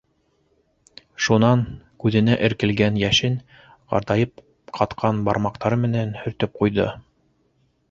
Шунан күҙенә эркелгән йәшен ҡартайып ҡатҡан бармаҡтары менән һөртөп ҡуйҙы.